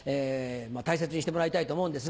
大切にしてもらいたいと思うんですが。